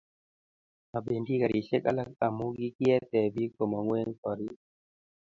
mabendi karisiek alak amu kikiete biik komong'u eng' korik